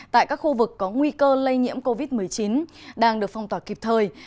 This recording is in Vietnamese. tại các khu vực có nguy cơ lây nhiễm covid một mươi chín đang được phong tỏa kịp thời